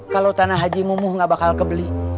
kalau tanah haji mumuh nggak bakal kebeli